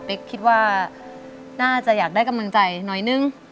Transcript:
คิดว่าน่าจะอยากได้กำลังใจหน่อยนึง